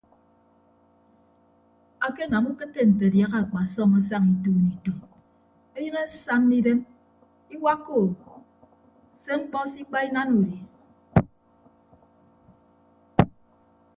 Akenam ukịtte nte adiaha akpasọm asaña ituun ituun eyịn asamma idem iwakka ou se mkpọ se ikpa inana udi.